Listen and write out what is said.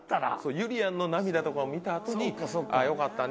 ゆりやんの涙とかを見たあとにああよかったね